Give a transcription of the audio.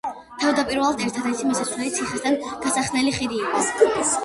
თავდაპირველად ერთადერთი მისასვლელი ციხესთან გასახსნელი ხიდი იყო.